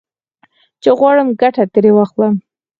چې غواړم ګټه ترې واخلم.